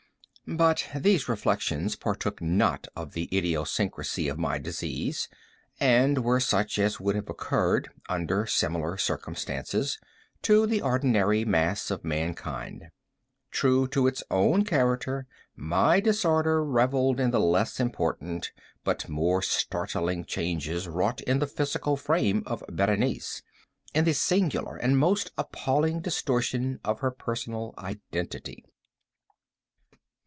But these reflections partook not of the idiosyncrasy of my disease, and were such as would have occurred, under similar circumstances, to the ordinary mass of mankind. True to its own character, my disorder revelled in the less important but more startling changes wrought in the physical frame of Berenice—in the singular and most appalling distortion of her personal identity.